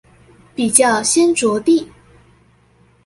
比較先著地